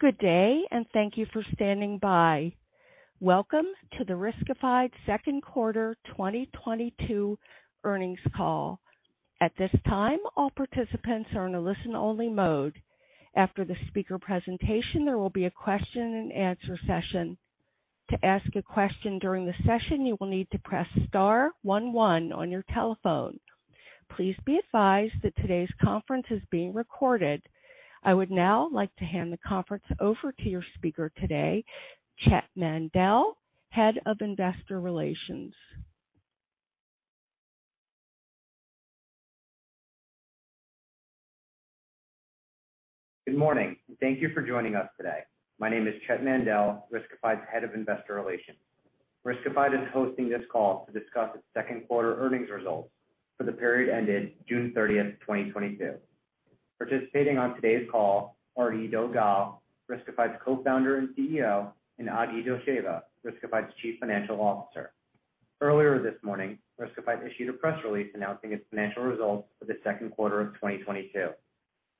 Good day, thank you for standing by. Welcome to the Riskified second quarter 2022 earnings call. At this time, all participants are in a listen only mode. After the speaker presentation, there will be a question-and-answer session. To ask a question during the session, you will need to press star one one on your telephone. Please be advised that today's conference is being recorded. I would now like to hand the conference over to your speaker today, Chett Mandel, Head of Investor Relations. Good morning, and thank you for joining us today. My name is Chett Mandel, Riskified's Head of Investor Relations. Riskified is hosting this call to discuss its second quarter earnings results for the period ended June 30th, 2022. Participating on today's call are Eido Gal, Riskified's Co-Founder and CEO, and Agi Dotcheva, Riskified's Chief Financial Officer. Earlier this morning, Riskified issued a press release announcing its financial results for the second quarter of 2022.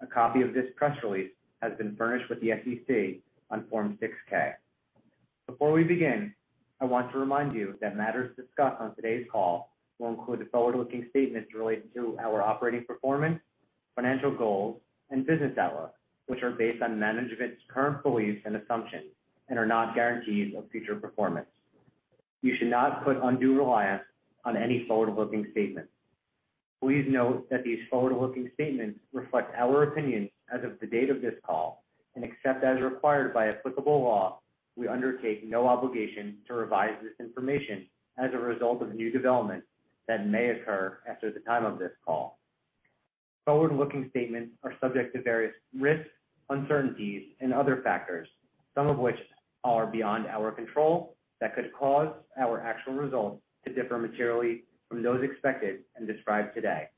A copy of this press release has been furnished with the SEC on Form 6-K. Before we begin, I want to remind you that matters discussed on today's call will include the forward-looking statements related to our operating performance, financial goals, and business outlook, which are based on management's current beliefs and assumptions and are not guarantees of future performance. You should not put undue reliance on any forward-looking statements. Please note that these forward-looking statements reflect our opinions as of the date of this call, and except as required by applicable law, we undertake no obligation to revise this information as a result of new developments that may occur after the time of this call. Forward-looking statements are subject to various risks, uncertainties, and other factors, some of which are beyond our control that could cause our actual results to differ materially from those expected and described today.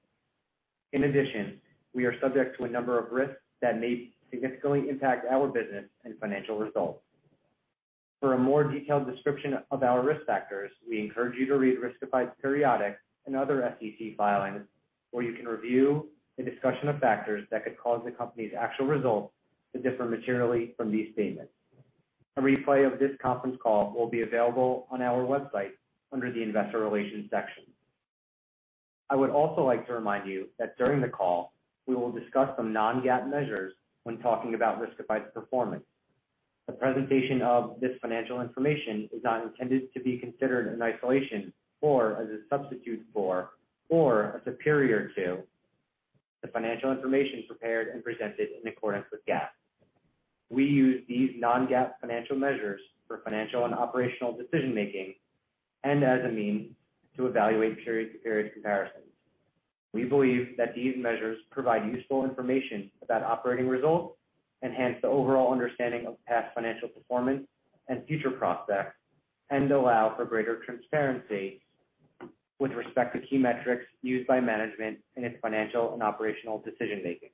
In addition, we are subject to a number of risks that may significantly impact our business and financial results. For a more detailed description of our risk factors, we encourage you to read Riskified's periodic and other SEC filings, where you can review a discussion of factors that could cause the company's actual results to differ materially from these statements. A replay of this conference call will be available on our website under the Investor Relations section. I would also like to remind you that during the call, we will discuss some non-GAAP measures when talking about Riskified's performance. The presentation of this financial information is not intended to be considered in isolation or as a substitute for or a superior to the financial information prepared and presented in accordance with GAAP. We use these non-GAAP financial measures for financial and operational decision-making and as a means to evaluate period-to-period comparisons. We believe that these measures provide useful information about operating results, enhance the overall understanding of past financial performance and future prospects, and allow for greater transparency with respect to key metrics used by management in its financial and operational decision-making.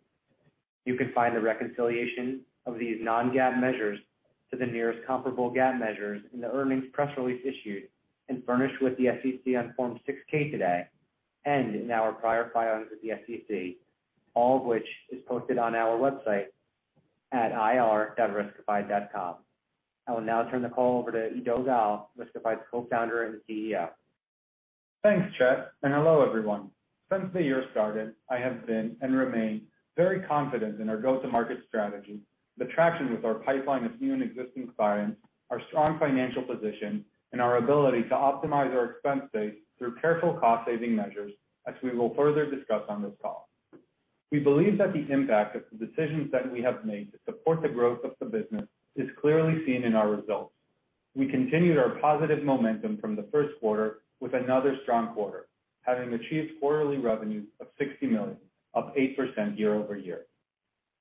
You can find the reconciliation of these non-GAAP measures to the nearest comparable GAAP measures in the earnings press release issued and furnished with the SEC on Form 6-K today and in our prior filings with the SEC, all of which is posted on our website at ir.riskified.com. I will now turn the call over to Eido Gal, Riskified's Co-Founder and CEO. Thanks, Chett, and hello, everyone. Since the year started, I have been and remain very confident in our go-to-market strategy, the traction with our pipeline of new and existing clients, our strong financial position, and our ability to optimize our expense base through careful cost-saving measures, as we will further discuss on this call. We believe that the impact of the decisions that we have made to support the growth of the business is clearly seen in our results. We continued our positive momentum from the first quarter with another strong quarter, having achieved quarterly revenue of $60 million, up 8% year-over-year.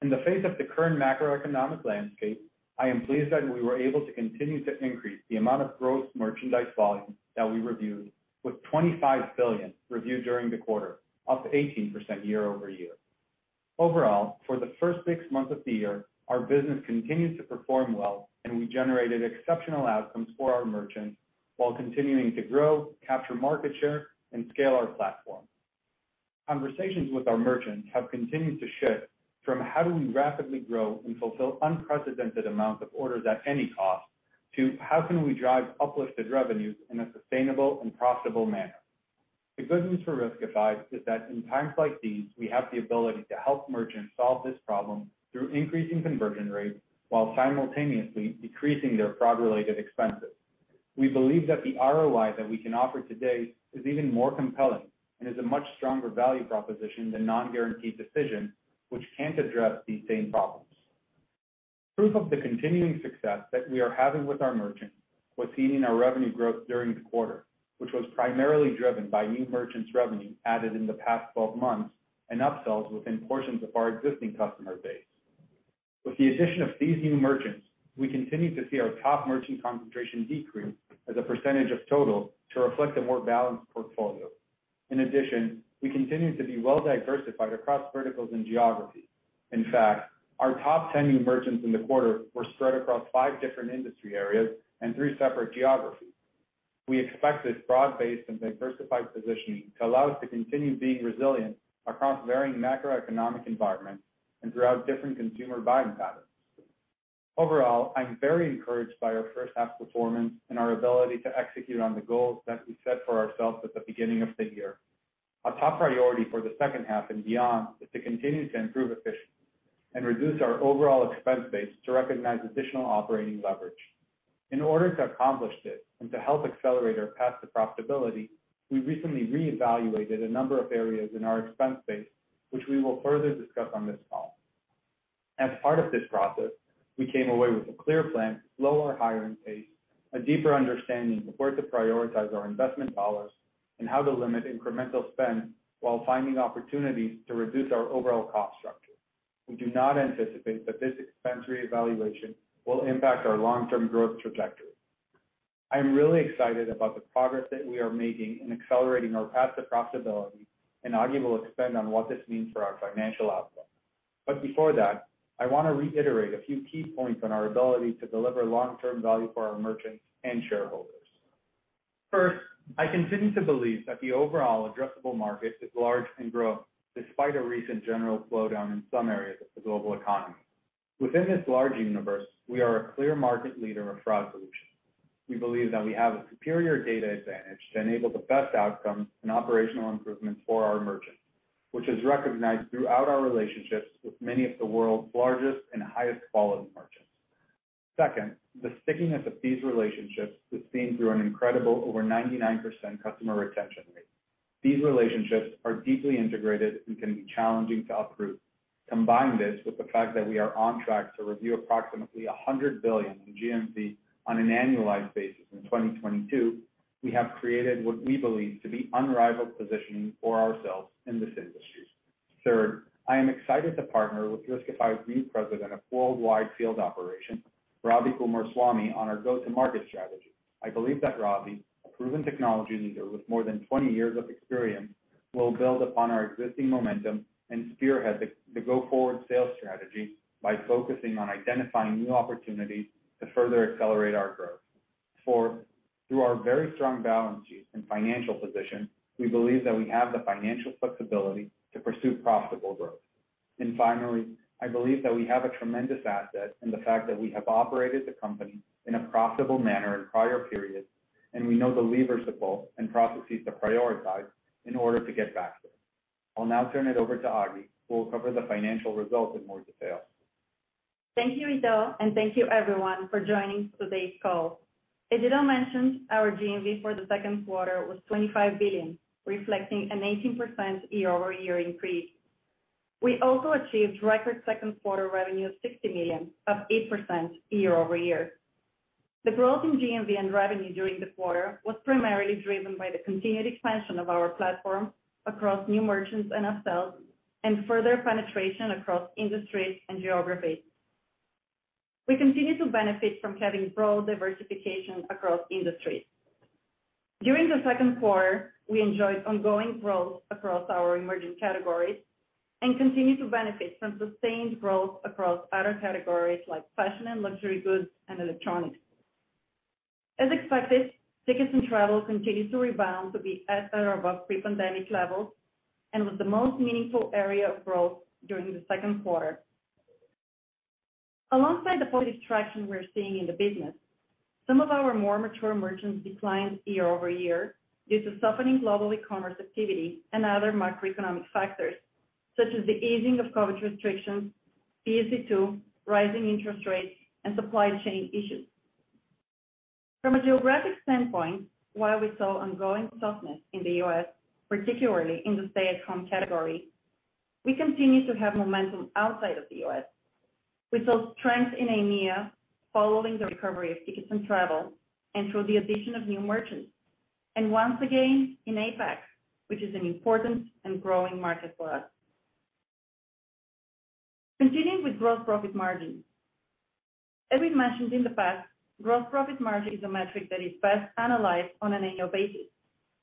In the face of the current macroeconomic landscape, I am pleased that we were able to continue to increase the amount of gross merchandise volume that we reviewed with 25 billion reviewed during the quarter, up 18% year-over-year. Overall, for the first six months of the year, our business continues to perform well, and we generated exceptional outcomes for our merchants while continuing to grow, capture market share, and scale our platform. Conversations with our merchants have continued to shift from how do we rapidly grow and fulfill unprecedented amounts of orders at any cost to how can we drive uplifted revenues in a sustainable and profitable manner. The good news for Riskified is that in times like these, we have the ability to help merchants solve this problem through increasing conversion rates while simultaneously decreasing their fraud-related expenses. We believe that the ROI that we can offer today is even more compelling and is a much stronger value proposition than non-guaranteed decisions which can't address these same problems. Proof of the continuing success that we are having with our merchants was seen in our revenue growth during the quarter, which was primarily driven by new merchants revenue added in the past 12 months and upsells within portions of our existing customer base. With the addition of these new merchants, we continue to see our top merchant concentration decrease as a percentage of total to reflect a more balanced portfolio. In addition, we continue to be well-diversified across verticals and geographies. In fact, our top 10 new merchants in the quarter were spread across five different industry areas and three separate geographies. We expect this broad-based and diversified positioning to allow us to continue being resilient across varying macroeconomic environments and throughout different consumer buying patterns. Overall, I'm very encouraged by our first half performance and our ability to execute on the goals that we set for ourselves at the beginning of the year. Our top priority for the second half and beyond is to continue to improve efficiency and reduce our overall expense base to recognize additional operating leverage. In order to accomplish this and to help accelerate our path to profitability, we recently reevaluated a number of areas in our expense base, which we will further discuss on this call. As part of this process, we came away with a clear plan to slow our hiring pace, a deeper understanding of where to prioritize our investment dollars, and how to limit incremental spend while finding opportunities to reduce our overall cost structure. We do not anticipate that this expense reevaluation will impact our long-term growth trajectory. I am really excited about the progress that we are making in accelerating our path to profitability, and Agi will expand on what this means for our financial outlook. Before that, I want to reiterate a few key points on our ability to deliver long-term value for our merchants and shareholders. First, I continue to believe that the overall addressable market is large and growing despite a recent general slowdown in some areas of the global economy. Within this large universe, we are a clear market leader of fraud solutions. We believe that we have a superior data advantage to enable the best outcomes and operational improvements for our merchants, which is recognized throughout our relationships with many of the world's largest and highest-quality merchants. Second, the stickiness of these relationships is seen through an incredible over 99% customer retention rate. These relationships are deeply integrated and can be challenging to uproot. Combine this with the fact that we are on track to review approximately 100 billion in GMV on an annualized basis in 2022. We have created what we believe to be unrivaled positioning for ourselves in this industry. Third, I am excited to partner with Riskified's new President of Worldwide Field Operations, Ravi Kumaraswami, on our go-to-market strategy. I believe that Ravi, a proven technology leader with more than 20 years of experience, will build upon our existing momentum and spearhead the go-forward sales strategy by focusing on identifying new opportunities to further accelerate our growth. Fourth, through our very strong balance sheet and financial position, we believe that we have the financial flexibility to pursue profitable growth. Finally, I believe that we have a tremendous asset in the fact that we have operated the company in a profitable manner in prior periods, and we know the levers to pull and processes to prioritize in order to get back there. I'll now turn it over to Agi, who will cover the financial results in more detail. Thank you, Eido, and thank you everyone for joining today's call. As Eido mentioned, our GMV for the second quarter was $25 billion, reflecting an 18% year-over-year increase. We also achieved record second-quarter revenue of $60 million, up 8% year-over-year. The growth in GMV and revenue during the quarter was primarily driven by the continued expansion of our platform across new merchants and upsells, and further penetration across industries and geographies. We continue to benefit from having broad diversification across industries. During the second quarter, we enjoyed ongoing growth across our emerging categories and continue to benefit from sustained growth across other categories like fashion and luxury goods and electronics. As expected, tickets and travel continued to rebound to be at or above pre-pandemic levels and was the most meaningful area of growth during the second quarter. Alongside the positive traction we're seeing in the business, some of our more mature merchants declined year-over-year due to softening global ecommerce activity and other macroeconomic factors, such as the easing of COVID restrictions, [BC2], rising interest rates, and supply chain issues. From a geographic standpoint, while we saw ongoing softness in the U.S., particularly in the stay-at-home category, we continue to have momentum outside of the U.S. We saw strength in EMEA following the recovery of tickets and travel and through the addition of new merchants, and once again in APAC, which is an important and growing market for us. Continuing with gross profit margin. As we've mentioned in the past, gross profit margin is a metric that is best analyzed on an annual basis,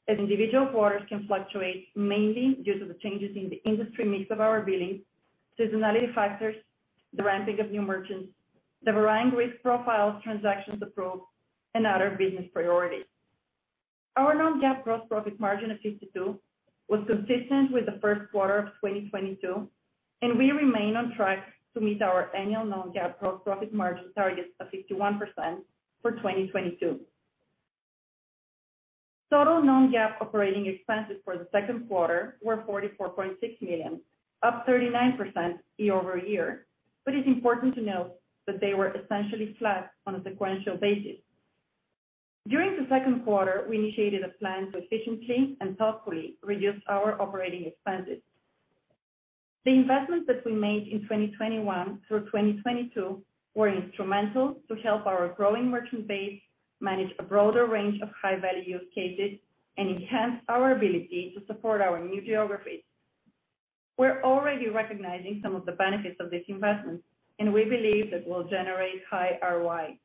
as individual quarters can fluctuate mainly due to the changes in the industry mix of our billing, seasonality factors, the ramping of new merchants, the varying risk profiles, transactions approved, and other business priorities. Our non-GAAP gross profit margin of 52% was consistent with the first quarter of 2022, and we remain on track to meet our annual non-GAAP gross profit margin target of 51% for 2022. Total non-GAAP operating expenses for the second quarter were $44.6 million, up 39% year-over-year. It's important to note that they were essentially flat on a sequential basis. During the second quarter, we initiated a plan to efficiently and thoughtfully reduce our operating expenses. The investments that we made in 2021 through 2022 were instrumental to help our growing merchant base manage a broader range of high-value use cases and enhance our ability to support our new geographies. We're already recognizing some of the benefits of this investment, and we believe that will generate high ROI.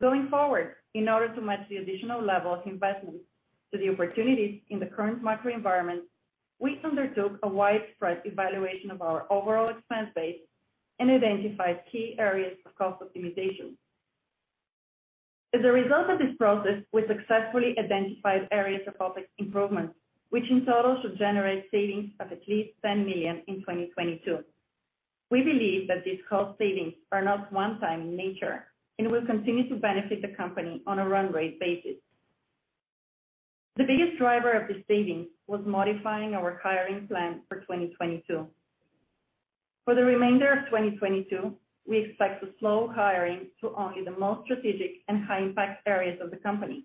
Going forward, in order to match the additional level of investment to the opportunities in the current macro environment, we undertook a widespread evaluation of our overall expense base and identify key areas of cost optimization. As a result of this process, we successfully identified areas of productivity improvement, which in total should generate savings of at least $10 million in 2022. We believe that these cost savings are not one-time in nature and will continue to benefit the company on a run-rate basis. The biggest driver of this saving was modifying our hiring plan for 2022. For the remainder of 2022, we expect to slow hiring to only the most strategic and high-impact areas of the company.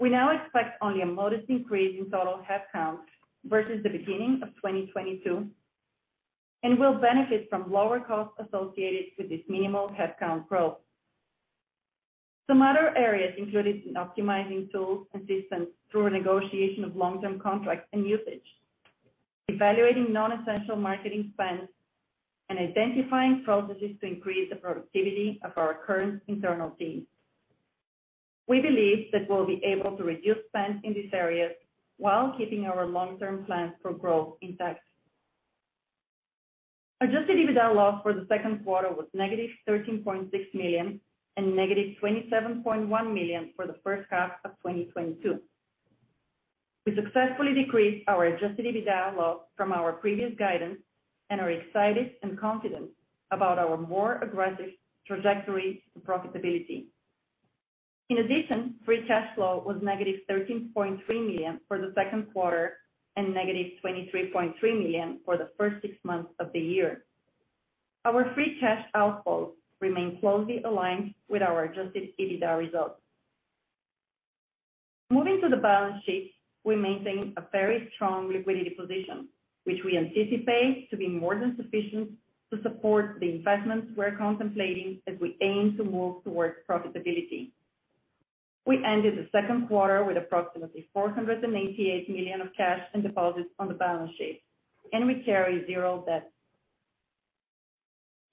We now expect only a modest increase in total headcount versus the beginning of 2022, and will benefit from lower costs associated with this minimal headcount growth. Some other areas included in optimizing tools and systems through a negotiation of long-term contracts and usage, evaluating non-essential marketing spends, and identifying processes to increase the productivity of our current internal teams. We believe that we'll be able to reduce spend in these areas while keeping our long-term plans for growth intact. Adjusted EBITDA loss for the second quarter was -$13.6 million and -$27.1 million for the first half of 2022. We successfully decreased our Adjusted EBITDA loss from our previous guidance and are excited and confident about our more aggressive trajectory to profitability. In addition, free cash flow was -$13.3 million for the second quarter and -$23.3 million for the first six months of the year. Our free cash outflows remain closely aligned with our Adjusted EBITDA results. Moving to the balance sheet, we maintain a very strong liquidity position, which we anticipate to be more than sufficient to support the investments we're contemplating as we aim to move towards profitability. We ended the second quarter with approximately $488 million of cash and deposits on the balance sheet, and we carry zero debt.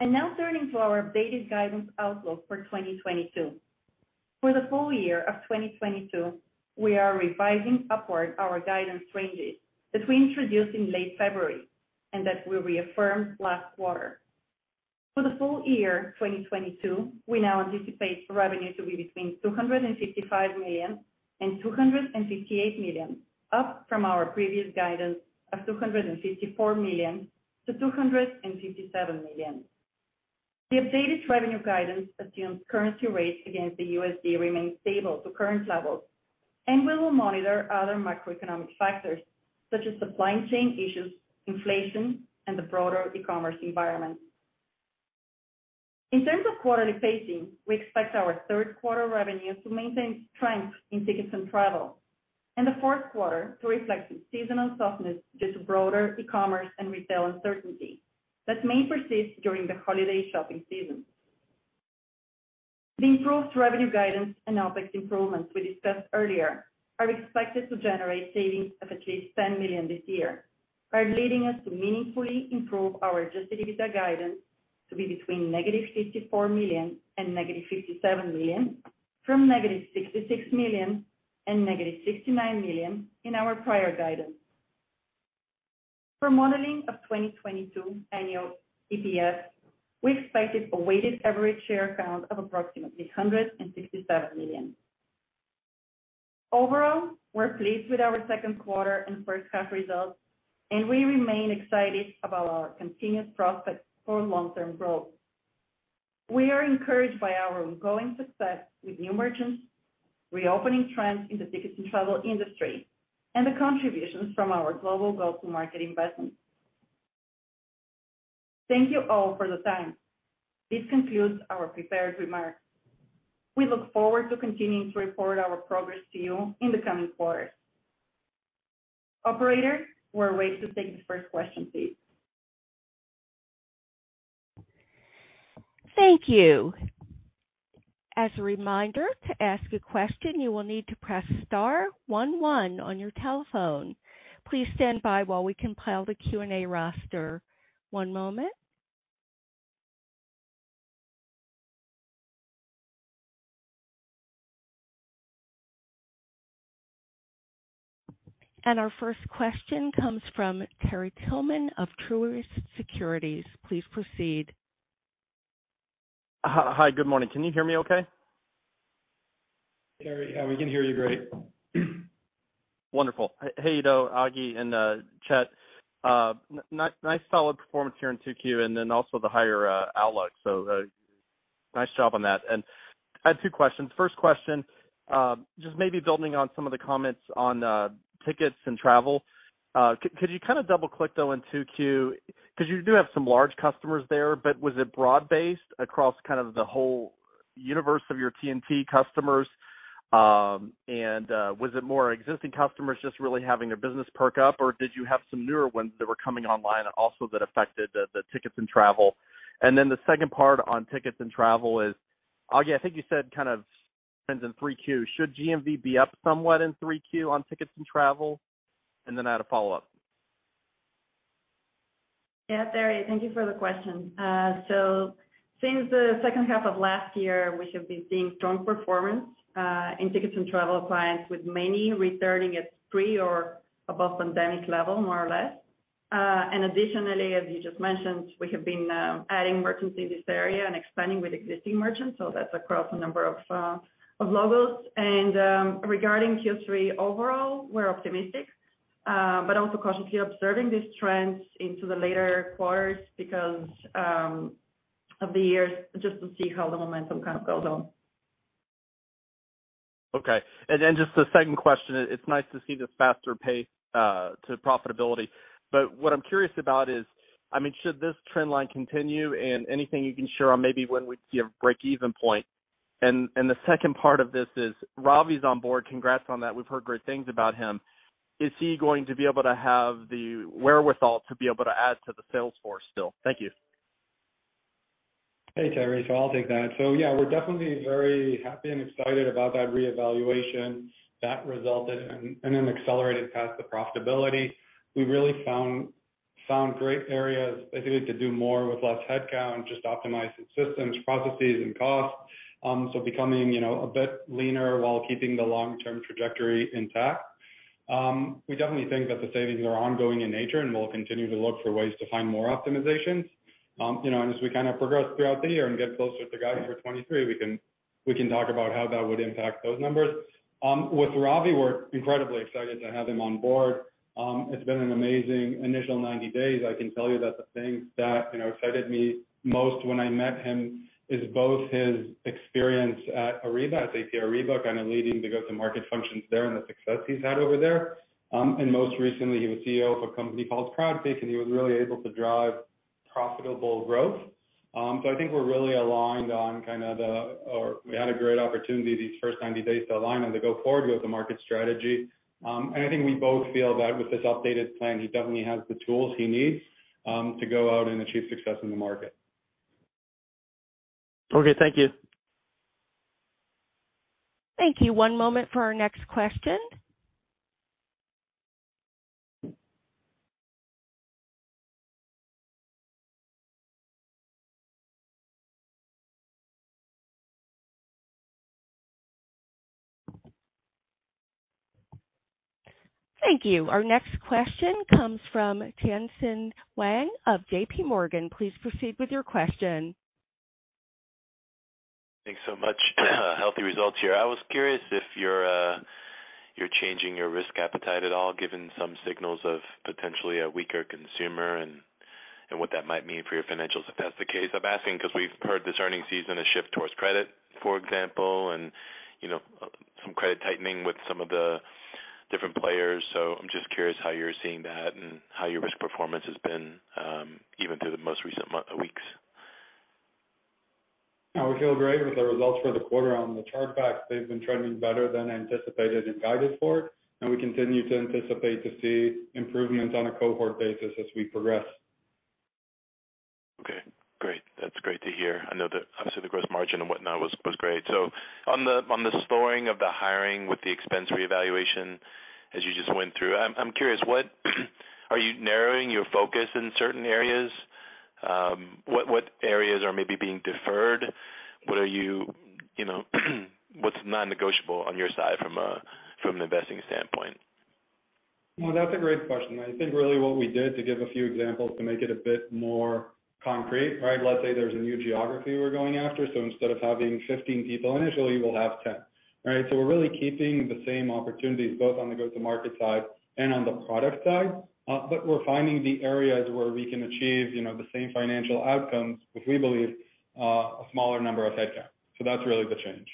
Now turning to our updated guidance outlook for 2022. For the full year of 2022, we are revising upward our guidance ranges that we introduced in late February and that we reaffirmed last quarter. For the full year 2022, we now anticipate revenue to be between $255 million and $258 million, up from our previous guidance of $254 million-$257 million. The updated revenue guidance assumes currency rates against the USD remain stable to current levels, and we will monitor other macroeconomic factors such as supply chain issues, inflation, and the broader ecommerce environment. In terms of quarterly pacing, we expect our third quarter revenue to maintain strength in tickets and travel, and the fourth quarter to reflect seasonal softness due to broader ecommerce and retail uncertainty that may persist during the holiday shopping season. The improved revenue guidance and OpEx improvements we discussed earlier are expected to generate savings of at least $10 million this year, are leading us to meaningfully improve our Adjusted EBITDA guidance to be between -$54 million and -$57 million, from -$66 million and -$69 million in our prior guidance. For modeling of 2022 annual EPS, we expected a weighted average share count of approximately 167 million. Overall, we're pleased with our second quarter and first half results, and we remain excited about our continuous prospects for long-term growth. We are encouraged by our ongoing success with new merchants, reopening trends in the tickets and travel industry, and the contributions from our global go-to-market investments. Thank you all for the time. This concludes our prepared remarks. We look forward to continuing to report our progress to you in the coming quarters. Operator, we're ready to take the first question, please. Thank you. As a reminder, to ask a question, you will need to press star one one on your telephone. Please stand by while we compile the Q&A roster. One moment. Our first question comes from Terry Tillman of Truist Securities. Please proceed. Hi. Good morning. Can you hear me okay? Terry, yeah, we can hear you great. Wonderful. Hey, you know, Agi and Chett, nice solid performance here in 2Q and then also the higher outlook. Nice job on that. I have two questions. First question, just maybe building on some of the comments on tickets and travel. Could you kinda double-click, though, in 2Q, 'cause you do have some large customers there, but was it broad-based across kind of the whole universe of your T&T customers? Was it more existing customers just really having their business perk up, or did you have some newer ones that were coming online also that affected the tickets and travel? Then the second part on tickets and travel is, Agi, I think you said kind of trends in 3Q. Should GMV be up somewhat in 3Q on tickets and travel? I had a follow-up. Yeah. Terry, thank you for the question. Since the second half of last year, we have been seeing strong performance in tickets and travel clients, with many returning at pre or above pandemic level, more or less. Additionally, as you just mentioned, we have been adding merchants in this area and expanding with existing merchants, so that's across a number of logos. Regarding Q3 overall, we're optimistic, but also cautiously observing these trends into the later quarters because of the year just to see how the momentum kind of goes on. Okay. Then just the second question, it's nice to see this faster pace to profitability. What I'm curious about is, I mean, should this trend line continue? Anything you can share on maybe when we'd see a break-even point. The second part of this is Ravi's on board. Congrats on that. We've heard great things about him. Is he going to be able to have the wherewithal to be able to add to the sales force still? Thank you. Hey, Terry. I'll take that. Yeah, we're definitely very happy and excited about that reevaluation that resulted in an accelerated path to profitability. We really found great areas, I think we could do more with less headcount, just optimizing systems, processes and costs. Becoming, you know, a bit leaner while keeping the long-term trajectory intact. We definitely think that the savings are ongoing in nature, and we'll continue to look for ways to find more optimizations. You know, and as we kind of progress throughout the year and get closer to guiding for 2023, we can talk about how that would impact those numbers. With Ravi, we're incredibly excited to have him on board. It's been an amazing initial 90 days. I can tell you that the things that, you know, excited me most when I met him is both his experience at Ariba, SAP Ariba, kind of leading the go-to-market functions there and the success he's had over there. Most recently, he was CEO of a company called Crownpeak, and he was really able to drive profitable growth. I think we're really aligned on kind of the or we had a great opportunity these first 90 days to align on the go-forward go-to-market strategy. I think we both feel that with this updated plan, he definitely has the tools he needs to go out and achieve success in the market. Okay, thank you. Thank you. One moment for our next question. Thank you. Our next question comes from Tien-Tsin Huang of JPMorgan. Please proceed with your question. Thanks so much. Healthy results here. I was curious if you're changing your risk appetite at all, given some signals of potentially a weaker consumer and what that might mean for your financials if that's the case. I'm asking because we've heard this earnings season a shift towards credit, for example, and, you know, some credit tightening with some of the different players. I'm just curious how you're seeing that and how your risk performance has been, even through the most recent weeks. No, we feel great with the results for the quarter. On the chargebacks, they've been trending better than anticipated and guided for, and we continue to anticipate to see improvements on a cohort basis as we progress. Okay, great. That's great to hear. I know that obviously the gross margin and whatnot was great. On the slowing of the hiring with the expense reevaluation as you just went through, I'm curious, what are you narrowing your focus in certain areas? What areas are maybe being deferred? What are you know, what's non-negotiable on your side from an investing standpoint? Well, that's a great question. I think really what we did, to give a few examples to make it a bit more concrete, right? Let's say there's a new geography we're going after, so instead of having 15 people initially, we'll have 10, right? So we're really keeping the same opportunities both on the go-to-market side and on the product side. But we're finding the areas where we can achieve, you know, the same financial outcomes, which we believe a smaller number of headcount. So that's really the change.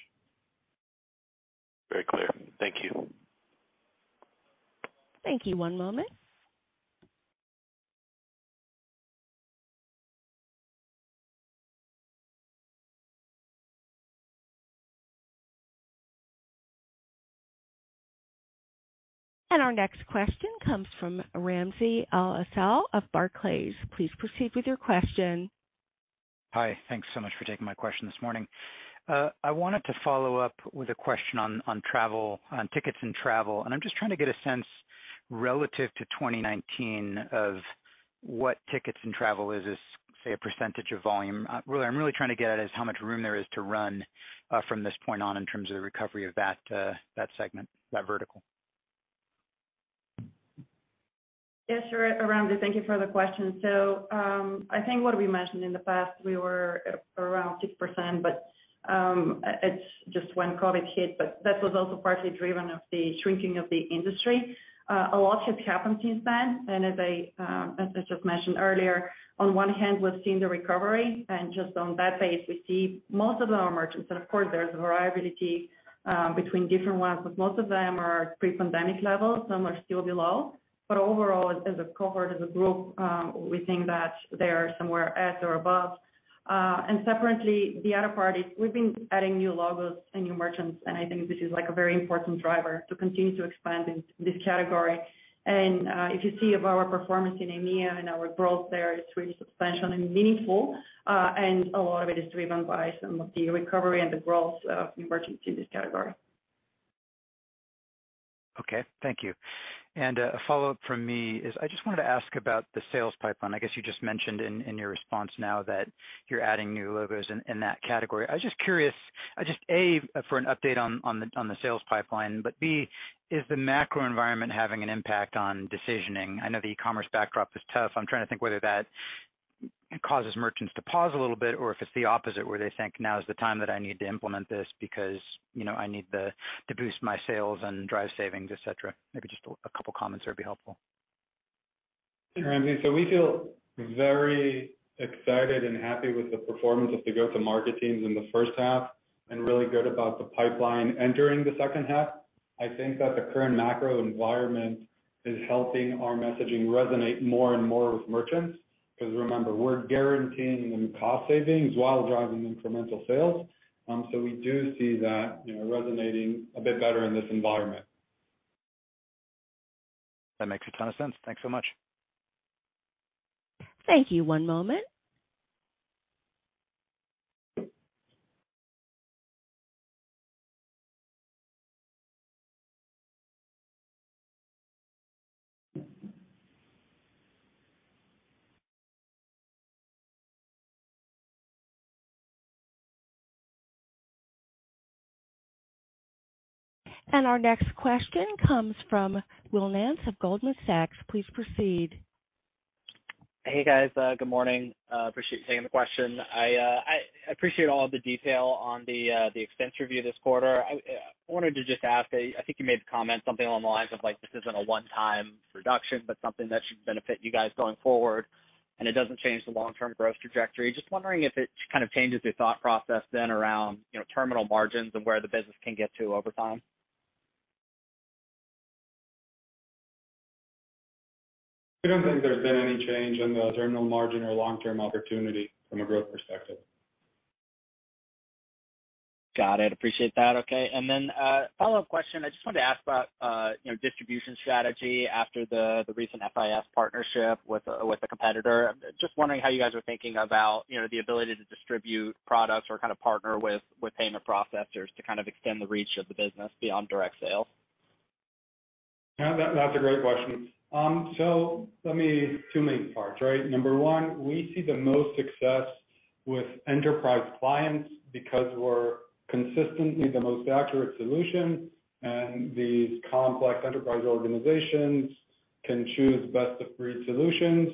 Very clear. Thank you. Thank you. One moment. Our next question comes from Ramsey El-Assal of Barclays. Please proceed with your question. Hi. Thanks so much for taking my question this morning. I wanted to follow up with a question on travel, on tickets and travel, and I'm just trying to get a sense relative to 2019 of what tickets and travel is, say, a percentage of volume. Really, I'm really trying to get at is how much room there is to run from this point on in terms of the recovery of that segment, that vertical. Yes, sure, Ramsey, thank you for the question. I think what we mentioned in the past, we were around 6%, but it's just when COVID hit, but that was also partly driven by the shrinking of the industry. A lot has happened since then, and as I just mentioned earlier, on one hand, we're seeing the recovery. Just on that base, we see most of our merchants, and of course, there's variability between different ones, but most of them are pre-pandemic levels. Some are still below. Overall, as a cohort, as a group, we think that they are somewhere at or above. Separately, the other part is we've been adding new logos and new merchants, and I think this is like a very important driver to continue to expand in this category. If you see our performance in EMEA and our growth there is really substantial and meaningful, and a lot of it is driven by some of the recovery and the growth of new merchants in this category. Okay. Thank you. A follow-up from me is I just wanted to ask about the sales pipeline. I guess you just mentioned in your response now that you're adding new logos in that category. I was just curious, A, for an update on the sales pipeline. But B, is the macro environment having an impact on decisioning? I know the ecommerce backdrop is tough. I'm trying to think whether that causes merchants to pause a little bit, or if it's the opposite, where they think now is the time that I need to implement this because, you know, I need to boost my sales and drive savings, et cetera. Maybe just a couple of comments there would be helpful. Sure, Ramsey. We feel very excited and happy with the performance of the go-to-market teams in the first half and really good about the pipeline entering the second half. I think that the current macro environment is helping our messaging resonate more and more with merchants because remember, we're guaranteeing them cost savings while driving incremental sales. We do see that, you know, resonating a bit better in this environment. That makes a ton of sense. Thanks so much. Thank you. One moment. Our next question comes from Will Nance of Goldman Sachs. Please proceed. Hey, guys. Good morning. Appreciate you taking the question. I appreciate all the detail on the expense review this quarter. I wanted to just ask, I think you made the comment something along the lines of like, this isn't a one-time reduction, but something that should benefit you guys going forward, and it doesn't change the long-term growth trajectory. Just wondering if it kind of changes your thought process then around, you know, terminal margins and where the business can get to over time. We don't think there's been any change in the terminal margin or long-term opportunity from a growth perspective. Got it. Appreciate that. Okay. A follow-up question. I just wanted to ask about, you know, distribution strategy after the recent FIS partnership with a competitor. Just wondering how you guys are thinking about, you know, the ability to distribute products or kind of partner with payment processors to kind of extend the reach of the business beyond direct sales. Yeah, that's a great question. Two main parts, right? Number one, we see the most success with enterprise clients because we're consistently the most accurate solution, and these complex enterprise organizations can choose best-of-breed solutions,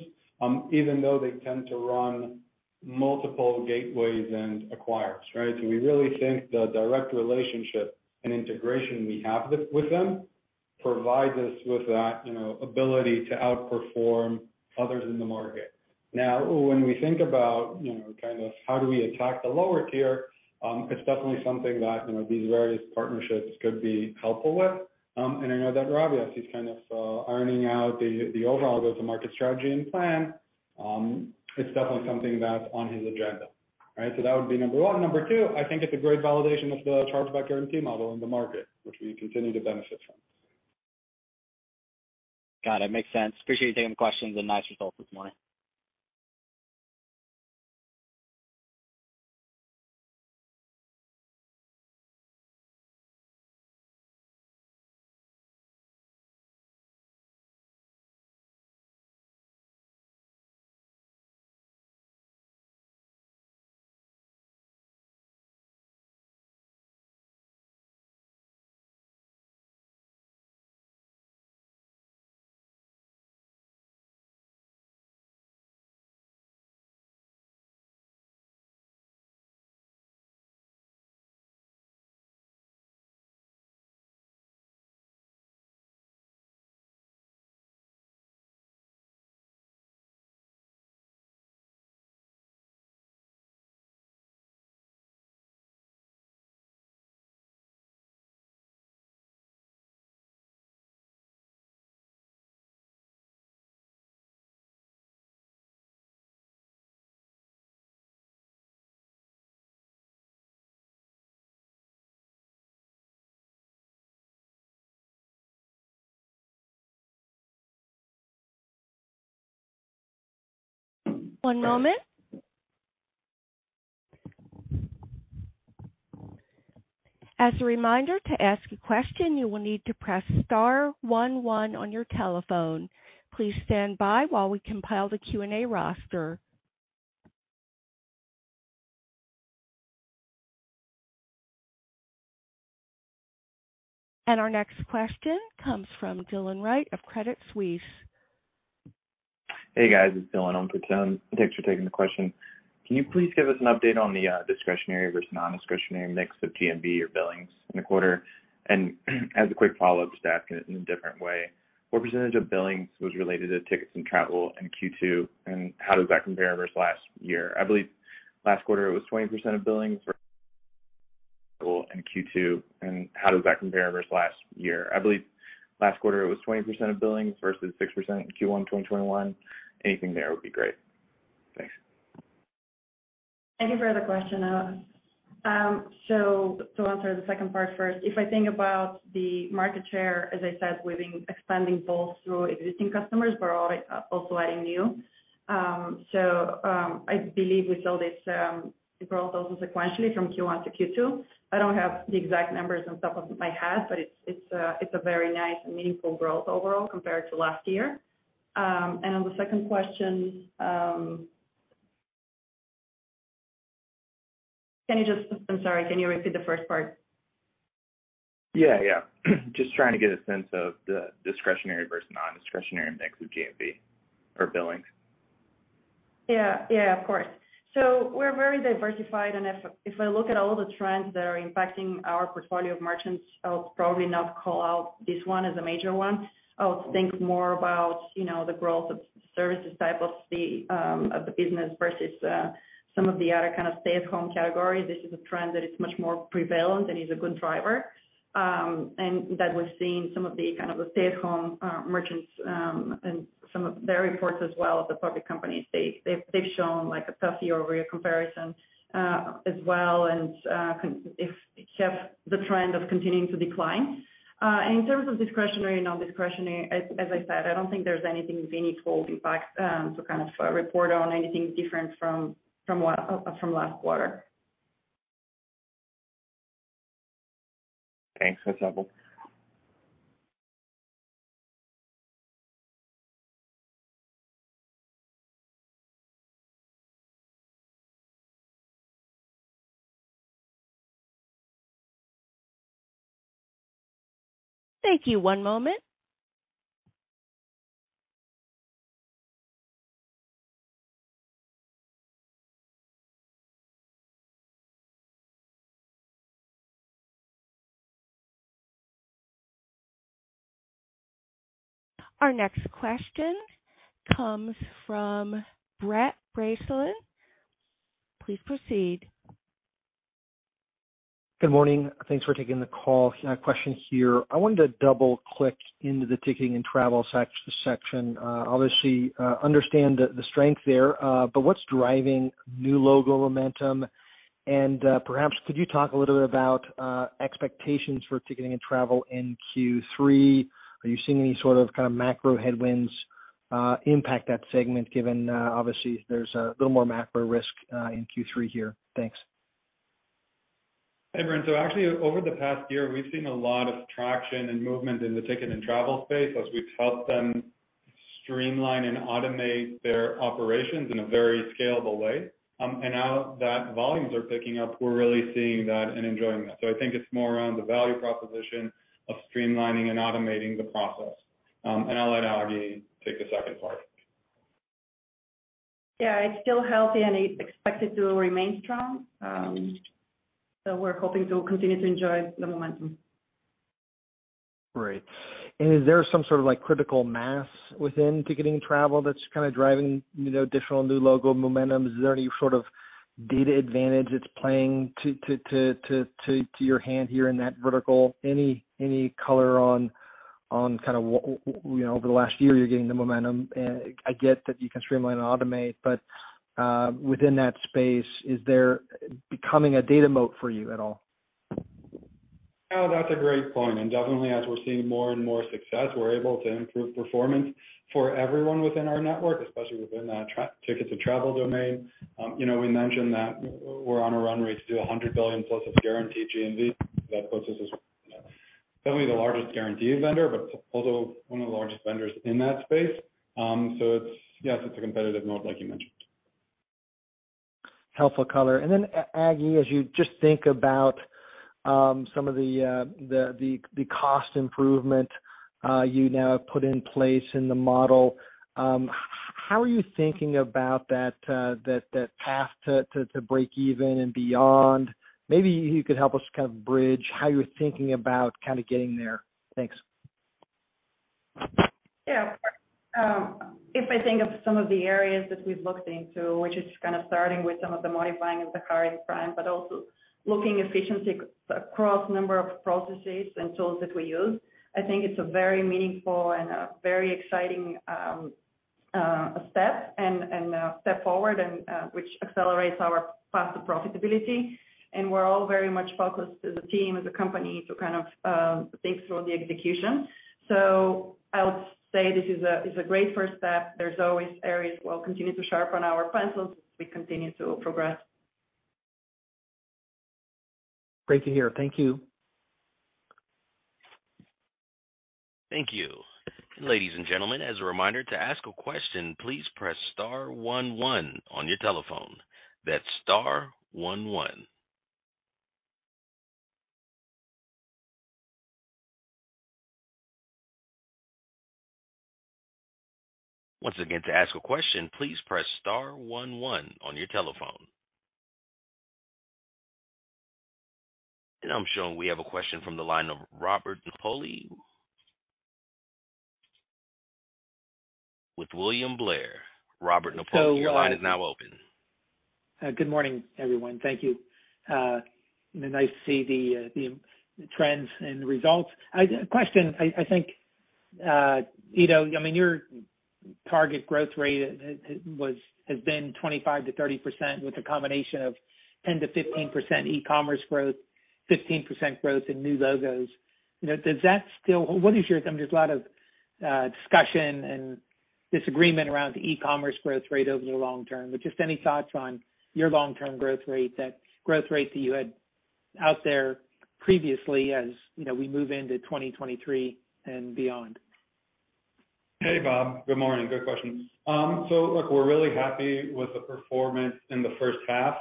even though they tend to run multiple gateways and acquirers, right? We really think the direct relationship and integration we have with them provides us with that, you know, ability to outperform others in the market. Now, when we think about, you know, kind of how do we attack the lower tier, it's definitely something that, you know, these various partnerships could be helpful with. I know that Ravi, as he's kind of ironing out the overall go-to-market strategy and plan, it's definitely something that's on his agenda, right? That would be number one. Number two, I think it's a great validation of the Chargeback Guarantee model in the market, which we continue to benefit from. Got it. Makes sense. Appreciate you taking the questions and nice results this morning. One moment. As a reminder, to ask a question, you will need to press star one one on your telephone. Please stand by while we compile the Q&A roster. Our next question comes from Dylan Wright of Credit Suisse. Hey, guys, it's Dylan on for Tim. Thanks for taking the question. Can you please give us an update on the discretionary versus non-discretionary mix of GMV or billings in the quarter? As a quick follow-up to ask in a different way, what percentage of billings was related to tickets and travel in Q2, and how does that compare versus last year? I believe last quarter it was 20% of billings versus in Q2, and how did that compare [with] last year. I believe last quarter it was 20% billing, 6% in Q1 2021. Anything there would be great. Thanks. Thank you for the question. So to answer the second part first, if I think about the market share, as I said, we've been expanding both through existing customers, but also adding new. So I believe we saw this growth also sequentially from Q1 to Q2. I don't have the exact numbers off the top of my head, but it's a very nice and meaningful growth overall compared to last year. On the second question, I'm sorry, can you repeat the first part? Yeah, yeah. Just trying to get a sense of the discretionary versus non-discretionary mix with GMV or billings. Yeah. Yeah, of course. We're very diversified, and if I look at all the trends that are impacting our portfolio of merchants, I'll probably not call out this one as a major one. I would think more about, you know, the growth of services type of the business versus some of the other kind of stay-at-home categories. This is a trend that is much more prevalent and is a good driver. That we're seeing some of the kind of stay-at-home merchants and some of their reports as well at the public companies. They've shown like a tough year-over-year comparison as well, and if they have the trend of continuing to decline. In terms of discretionary, non-discretionary, as I said, I don't think there's anything meaningful, in fact, to kind of report on anything different from last quarter. Thanks. Thank you. One moment. Our next question comes from Brent Bracelin. Please proceed. Good morning. Thanks for taking the call. Question here. I wanted to double-click into the ticketing and travel section. Obviously, understand the strength there, but what's driving new logo momentum? Perhaps could you talk a little bit about expectations for ticketing and travel in Q3? Are you seeing any sort of kind of macro headwinds impact that segment, given obviously there's a little more macro risk in Q3 here? Thanks. Hey, Brent. Actually, over the past year, we've seen a lot of traction and movement in the ticket and travel space as we've helped them streamline and automate their operations in a very scalable way. Now that volumes are picking up, we're really seeing that and enjoying that. I think it's more around the value proposition of streamlining and automating the process. I'll let Agi take the second part. Yeah, it's still healthy and it's expected to remain strong. We're hoping to continue to enjoy the momentum. Great. Is there some sort of, like, critical mass within ticket and travel that's kind of driving, you know, different new logo momentum? Is there any sort of data advantage that's playing to your hand here in that vertical? Any color on kind of where, you know, over the last year, you're getting the momentum. I get that you can streamline and automate, but within that space, is there becoming a data moat for you at all? No, that's a great point. Definitely as we're seeing more and more success, we're able to improve performance for everyone within our network, especially within the tickets and travel domain. You know, we mentioned that we're on a run rate to do $100 billion+ of guaranteed GMV. That puts us as certainly the largest guaranteed vendor, but also one of the largest vendors in that space. Yes, it's a competitive moat like you mentioned. Helpful color. Agi, as you just think about some of the cost improvement you now have put in place in the model, how are you thinking about that path to break even and beyond? Maybe you could help us kind of bridge how you're thinking about kind of getting there. Thanks. Yeah. If I think of some of the areas that we've looked into, which is kind of starting with some of the modifying of the current plan, but also looking efficiency across number of processes and tools that we use, I think it's a very meaningful and a very exciting step and step forward which accelerates our path to profitability. We're all very much focused as a team, as a company to kind of think through the execution. I would say this is a great first step. There's always areas we'll continue to sharpen our pencils as we continue to progress. Great to hear. Thank you. Thank you. Ladies and gentlemen, as a reminder, to ask a question, please press star one one on your telephone. That's star one one. Once again, to ask a question, please press star one one on your telephone. I'm showing we have a question from the line of Robert Napoli with William Blair. Robert Napoli your line is now open. Good morning, everyone. Thank you. Nice to see the trends and the results. Question, I think, you know, I mean, your target growth rate has been 25%-30% with a combination of 10%-15% ecommerce growth, 15% growth in new logos. You know, does that still. What is your. There's a lot of discussion and disagreement around the ecommerce growth rate over the long term, but just any thoughts on your long-term growth rate that you had mentioned out there previously as, you know, we move into 2023 and beyond. Hey, Bob, good morning. Good question. Look, we're really happy with the performance in the first half.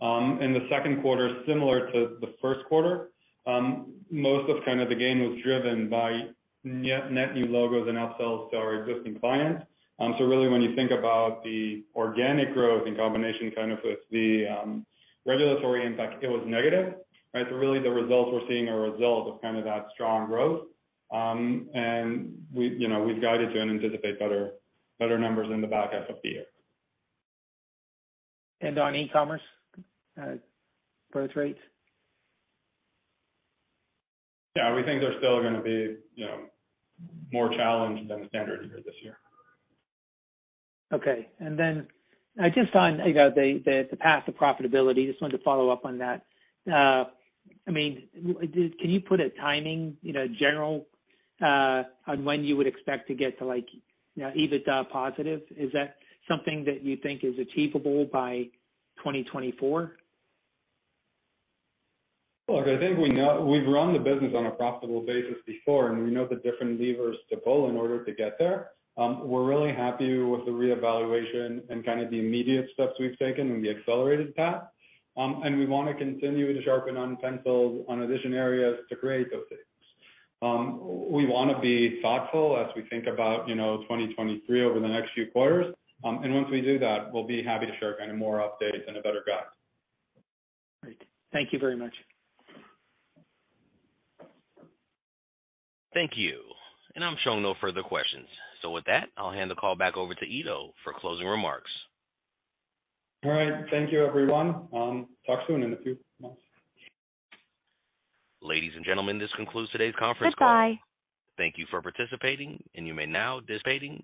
In the second quarter, similar to the first quarter, most of kind of the gain was driven by net new logos and upsells to our existing clients. Really, when you think about the organic growth in combination kind of with the regulatory impact, it was negative, right? Really the results we're seeing are a result of kind of that strong growth. You know, we've guided to anticipate better numbers in the back half of the year. On ecommerce, growth rates? Yeah, we think they're still gonna be, you know, more challenged than the standard year this year. Okay. I just found, you know, the path to profitability. Just wanted to follow up on that. I mean, can you put a timing, you know, general, on when you would expect to get to, like, you know, EBITDA positive? Is that something that you think is achievable by 2024? Look, I think we know, we've run the business on a profitable basis before, and we know the different levers to pull in order to get there. We're really happy with the reevaluation and kind of the immediate steps we've taken and the accelerated path. We wanna continue to sharpen our pencils on additional areas to create those savings. We wanna be thoughtful as we think about, you know, 2023 over the next few quarters. Once we do that, we'll be happy to share kind of more updates and a better guide. Great. Thank you very much. Thank you. I'm showing no further questions. With that, I'll hand the call back over to Eido for closing remarks. All right, thank you everyone. Talk soon in a few months. Ladies and gentlemen, this concludes today's conference call. Goodbye. Thank you for participating, and you may now disconnect.